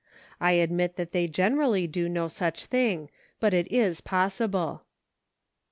I admit that they generally do no such thing, but it is possible. PRACTICING.